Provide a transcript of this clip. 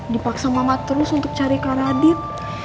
dipaksa mama terus untuk cari kak radit